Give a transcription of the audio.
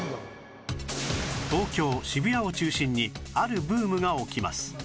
東京渋谷を中心にあるブームが起きます